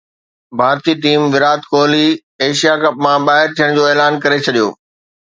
ڀارتي team Virat Kohli Asia cup مان ٻاهر ٿيڻ جو اعلان ڪري ڇڏيو